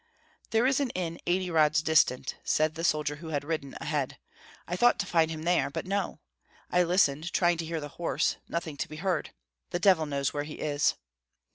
"There is an inn eighty rods distant," said the soldier who had ridden ahead. "I thought to find him there, but no! I listened, trying to hear the horse Nothing to be heard. The devil knows where he is!"